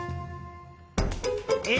え？